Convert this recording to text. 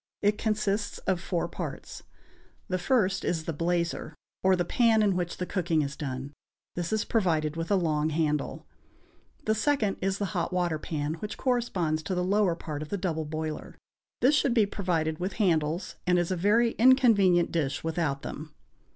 It consists of four parts. The first is the blazer, or the pan in which the cooking is done; this is provided with a long handle. The second is the hot water pan, which corresponds to the lower part of the double boiler; this should be provided with handles, and is a very inconvenient dish without them.